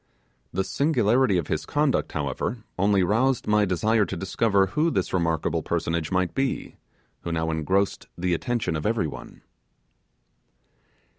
The singularity of his conduct, however, only roused my desire to discover who this remarkable personage might be, who now engrossed the attention of every one.